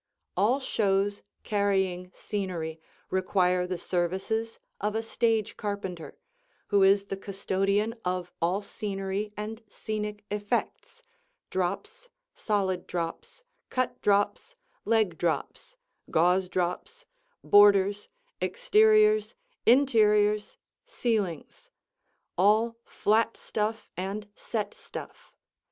All shows carrying scenery require the services of a Stage Carpenter, who is the custodian of all scenery and scenic effects, drops, solid drops, cut drops, leg drops, gauze drops, borders, exteriors, interiors, ceilings all flat stuff and set stuff.